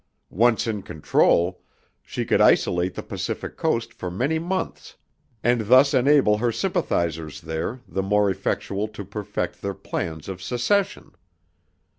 Once in control, she could isolate the Pacific coast for many months and thus enable her sympathizers there the more effectually to perfect their plans of secession.